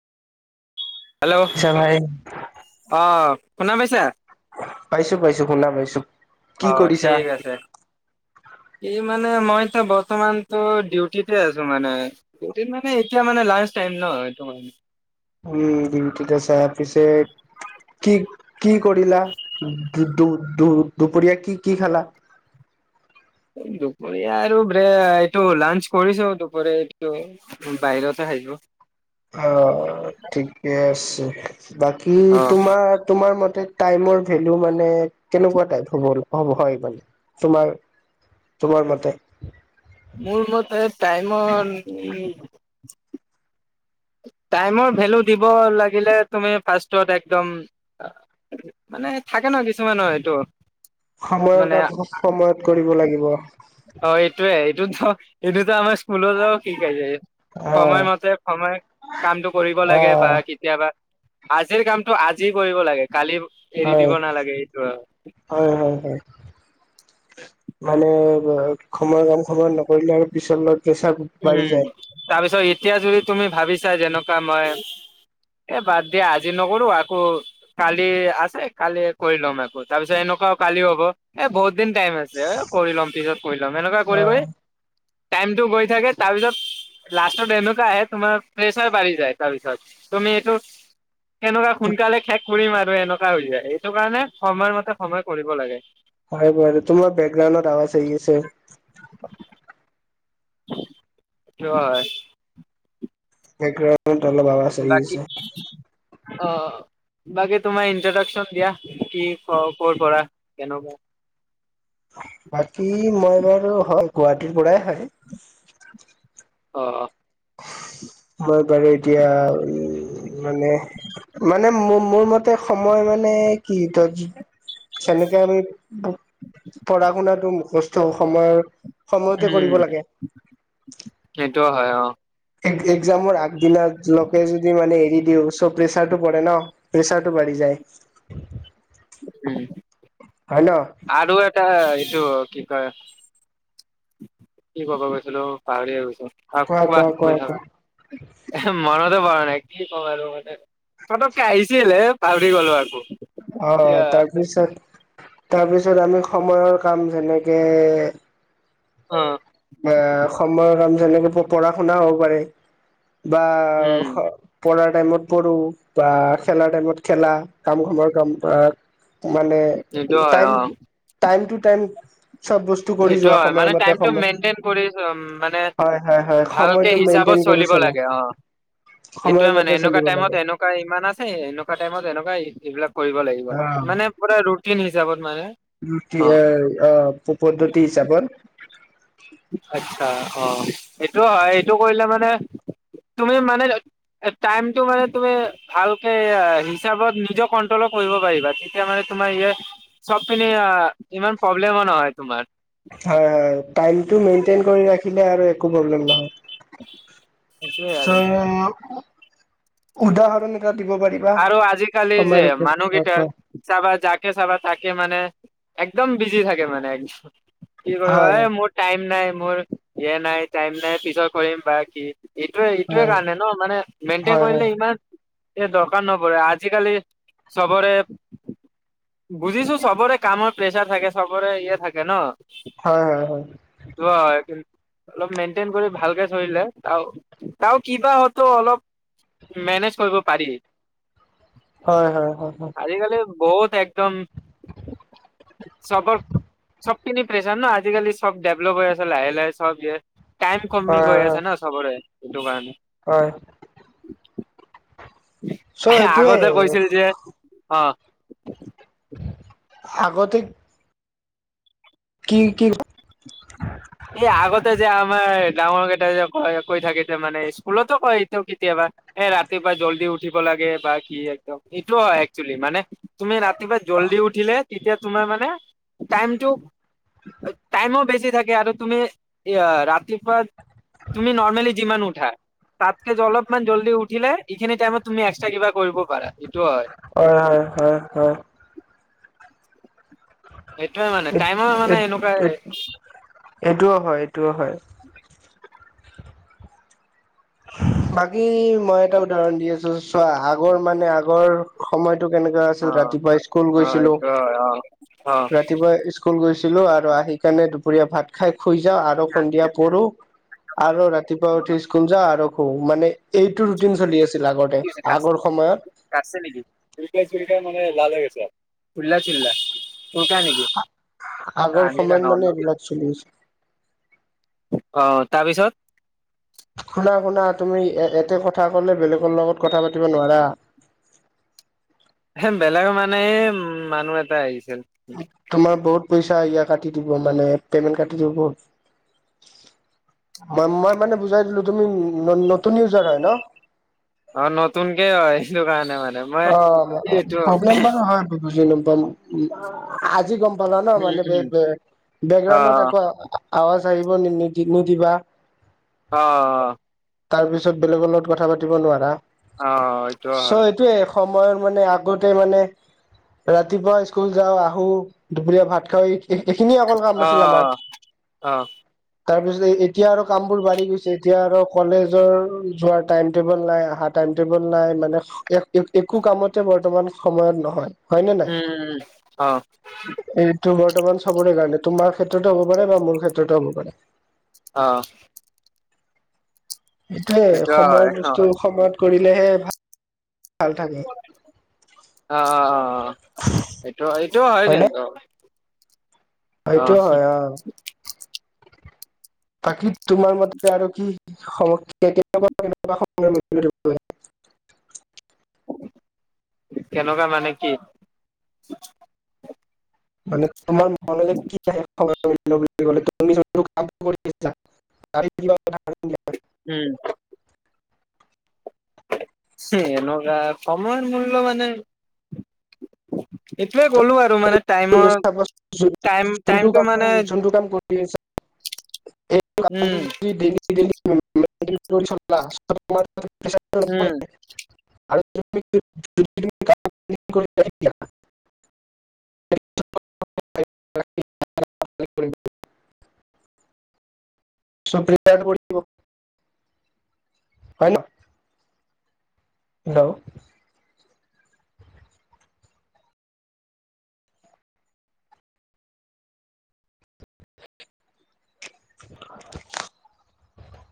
Hello আহ আচ্ছা ভাই শুন পাইছা পাইছো পাইছো শুনা পাইছো কি কৰিছা এই মানে মই এতিয়া বৰ্তমানতো ডিউটিতে আছো মানেউ মানে এতিয়া ম লা ন টতে চাই পিছে কি কি কৰিলা দুপৰীয়া কি কি খেলা দুপৰীয়া আৰু ব এইটো লাঞ্চ কৰিছো দুপৰীয়া এইটো বাহিৰতে খিব অ ঠিকে আছে বাকী অ তোমাৰ তোমাৰ মতে টাইমৰ ভেলু মানে কেনেকুৱা টাই হব হয় মানে তোমাৰ তোমাৰ মতে? মোৰ মতে টাইমৰ উ টাইমৰ ভেলু দিব লাগিলে তুমি ফাৰ্ষটত একদম মানে থাকে ন কিছুমানৰ এইটো সময়ৰ মানে কাম সময়ত কৰিব লাগিব। অ' এইটোৱে। এইটো এইটোতো আমাৰ ফুলজাও শিক যায় অ' সময়মতে সময় কামটো কৰিব লাগে বা কেতিয়াবা আজিৰ কামটো আজি কৰিব লাগে। কালি এৰি হয় দিব নালাগে এইটো আৰু। হয় হয় হয়। মানে সময়ৰ কাম সময় নকৰিলে পিছলৈ প্ৰেছাৰ বাঢ়ি যায়। উম তাৰপিছত এই এতিয়া যদি তুমি ভাবিছা যেনেকুৱা মই এ বাদ দিয়া আজি নকৰো আকৌ কালি আছে কালি কৰি ল'ম আকৌ তাৰপিছত এনেকুৱাও কালি হ'ব এ বহুত দুদিন টাইম আছে ঐ কৰি ল'ম পিছত কৰিলম এনেকুৱা কৰি কৰি টাইমটো গৈ থাকে তাৰপিছত লাষ্টৰ এনেকুৱা আহে তোমাৰ প্ৰেছাৰ বাঢ়ি যায় তাৰপিছত তুমি এইটো এনেকুৱা সোনকালে শেষ কৰিম আৰু এনেকুৱা হৈ যায় এইটো কাৰণে সময় মতে সময় কৰিব লাগে। হয় বাৰু তোমাৰ বেকগ্ৰাউণ্ডত আৱাজ আহি আছে। সেইটো হয় ব্ৰেকগাউন্ড অলপ আৱাজ আহি বাকী আছে। অ' বাকী তোমাৰ ইন্ট্ৰোডাকচন দিয়া কি ক কৰ'পৰা কেনেকুৱা? বাকী মই বাৰু হয় গুৱাহাটীৰ পৰাই হয়। অ'। মই বাৰু এতিয়া উ মানে মানে মোৰ মোৰ মতে তাতে সময় মানে কি তই কি যেনেকে আমি পঢ়া শুনাটো বস্তু সময় সময়তে কৰিব লাগে। সেইটো হয় অ'। এক্জামৰ আগদিনা লকে যদি মানে এৰি দিওঁ চ' প্ৰেচাৰটো পৰে ন প্ৰেচাৰটো বাঢ়ি যায়। উম। হয় ন আৰু এটা এইটো কি কয়, কি ক'ব গৈছিলো পাহৰিয়ে গৈছো। অ' কোৱা কৈ থাকা, এহ মনতে পৰা নাই। কি কম আৰু মানে ফতককে আহিছিলহে অঁ, তাৰপিছত তাৰপিছত আমি সময়ৰ কাম যেনেকে অ অ সময়ক আমি তেনেকে প - পঢ়া শুনা হ'ব পাৰে। বা, উম খ পঢ়াৰ টাইমত পঢ়ো বা খেলাৰ টাইমত খেলা, কাম সময়ৰ কাম আ মানে এইটো হয় টাইম অ - টাইমটোত [unintelligible] চব বস্তু কৰি যোৱা সময় মত টো মেইনটেইন কৰি মানে হয় হয় ভালকে সময়টো হিচাপত মেইনটেইন কৰি চলিব চলা লাগে অ'। এইটোয়ে মানে সময়মতে এনেকুৱা চলিব টাইমত লাগে এনেকুৱা ইমান আছে এনেকুৱা টাইমত এনেকুৱা এই ইবিলাক কৰিব লাগিব অ মানে পুৰা ৰুটিন হিচাপত। মানে অ [unintelligible] অ' পদ্ধতি হিচাপত আ অ সেইটোওঁ হয় এইটো কৰিলে মানে তুমি মানে টাইমটো মানে তুমি ভালকে অ - হিচাপত নিজে কন্ট্ৰলো কৰিব পাৰিবা তেতিয়া মানে তোমাৰ ইয়ে চবখিনি অ - ইমান প্ৰব্লেমো নহয় তোমাৰ। হয় হয় টাইমটো মেইনটেইন কৰি ৰাখি কিবা আৰু একো প্ৰব্লেম নহয়। সেইটোৱে আৰু। চ' উদাহৰণ এটা দিব পাৰিবা? আৰু আজিকালি যে আমাৰ মানুহকেইটাৰ চাবা যাকে চাবা তাকে মানে একদম বিজি থাকে মানে [unintelligible] কি কয় অই হয় মোৰ টাইম নাই। মোৰ এ নাই টাইম নাই পিছত কৰিম বা কি। এইটোৱে এইটোৱে হয়। কাৰণে ন মানে মেইনটেইন হয় কৰিলে হয় ইমান এ দ [unintelligible] আজিকালি চবৰে বুজিছো চবৰে কামৰ প্ৰেচাৰ থাকে চবৰে ইয়ে থাকে ন। হয় হয় [unintelligible] অলপ মেইনটেইন কৰি ভালকে চলিলে তাও - তাও কিবা হয়তো অলপ মেনেজ কৰিব পাৰি। হয় হয় হয় হয় আজিকালি বহুত একদম চবৰ চবখিনি প্ৰেছাৰ ন আজিকালি চব ডেভলপ হৈ আছে লাহে লাহে চব যিয়ে টাইম কমি হয় গৈ আছে হয় না চবৰে। সেইটো কাৰণে হয় চ' এইটোৱে আগতে কৈছিল যে অ [unintelligible] আগতে কি কি এই আগতে যে আমাৰ ডাঙৰ কেইটা যে ক কৈ থাকে মানে স্কুলতো কয় এইটো কেতিয়াবা এ ৰাতিপুৱা জল্দি উঠিব লাগে বা কি একদম এইটোও হয় একচুৱেলি মানে তুমি ৰাতিপুৱা জল্দি উঠিলে তেতিয়া তোমাৰ মানে টাইমটো টাইমো বেছি থাকে আৰু তুমি ৰাতিপুৱা তুমি নৰ্মেলি যিমান উঠা তাতকে অলপমান জল্দি উঠিলে এইখিনি টাইমত তুমি এক্সট্ৰা কিবা কৰিব পাৰা। হয় হয় হয় হয় সেইটোয়ে মানে টাইমৰ মানে এনেকুৱাই এইটোও হয় এইটোও হয় বাকী মই এটা উদাহৰণ দি আছো চোৱা আগৰ মানে আগৰ সময়ত কেনে আছিল অ ৰাতিপুৱা স্কুল অ গৈছিলো। এইটো হয় অ ৰাতিপুৱা স্কুল গৈছিলো আৰু আহি কাৰণে দুপৰীয়া ভাত খাই। শুই যা আৰু অ সন্ধিয়া পঢ়ো কি আৰু ৰাতিপুৱা উঠি স্কুল যাওঁ আৰু ৰখো মানে এইটো ৰুটিন চলি আছিল আগতে হৈছে কাটছে আগৰ সময়ত কাটছে নেকি? চুলকাই [unintelligible] নেকি? আগৰ আমি সময়ত মানে এইবিলাক চলি আছে অ' তাৰপিছত শুনা শুনা তুমি এয়াতে কথা ক'লে বেলেগৰ লগত কথা পাতিব নোৱাৰা। এ বেলেগৰ মানে এ মানুহ এটা আহিছে। [unintelligible] তোমাৰ বহুত পইচা কাটি দিব মানে পেমেণ্ট কাটি দিব। ম মই মানে বুজাই দিলোঁ তুমি নতুন ইউজাৰ হয় ন অ নতুনক আহিছো কাৰণে ইমাত অ প্ৰব্লেম বাৰো হয় [unintelligible] আজি গম পালো ন উম মানে উম বেকগ্ৰাউণ্ডত অ' একো আৱাজ এইবোৰ নি নিদি নিদিবা অ তাৰ পিছত বেলেগৰ লগত কথা পাতিব নোৱাৰা। অ এটো হয় এসময় মানে আগতে মানে ৰাতিপুৱা স্কুল যাওঁ আহো দুপৰীয়া ভাত খাই। এইখিনিয়ে অকল কাম আছিল আমাৰ অ' অ' তাৰ পিছত এতিয়া আৰু কামবোৰ বাঢ়ি গৈছে এতিয়া আৰু কলেজৰ যোৱাৰ টাইম টেবুল নাই অহা টাইম টেবল নাই মানে এক। একো কামতে বৰ্তমান সময়ত নহয়। হয় নে নাই উম উ অ। এইটো বৰ্তমান চবৰে কাৰণে তোমাৰ ক্ষেত্ৰতো হ'ব পাৰে বা মোৰ ক্ষেত্ৰতো হ'ব পাৰে। অহ। এইটোয়ে সময়ত হয় অ' বস্তু সময়ত। কৰিলে হে ভাল। থাকে অ অ অ এইেইটো। হয় কিন্তু। সেইটোয় হয় অ। তাকি। তোমাৰ মতে আৰু কি। সম। [unintelligible] [unintelligible] কেনেকুৱা মানে কি! মানে তোমাৰ মনলে কি আহে। [unintelligible] দিয়া উম। [unintelligible] এনেকুৱা সময়ৰ মূল্য মানে। এইটোয়ে ক'লো আৰু মানে টাইমৰ টাইম টাইমটো মানে [unintelligible] উম [unintelligible] উম [unintelligible] [unintelligible] [unintelligible] হয় ন। হেল্ল'। [unintelligible]